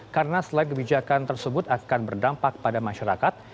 karena selain kebijakan tersebut akan berdampak pada masyarakat